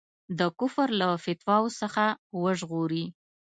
د کفر له فتواوو څخه وژغوري.